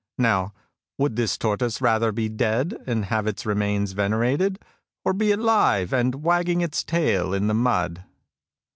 Now would this tortoise rather be dead and have its remains venerated, or be alive and wagging its tail in the mud